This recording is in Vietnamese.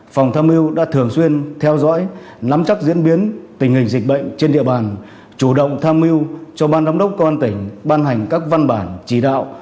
phòng tham mưu đã thường xuyên theo dõi nắm chắc diễn biến tình hình dịch bệnh trên địa bàn chủ động tham mưu cho ban giám đốc công an tỉnh ban hành các văn bản chỉ đạo